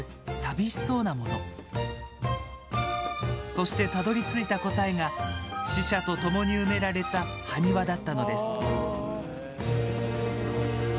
そしてたどり着いた答えが死者とともに埋められた埴輪だったのです。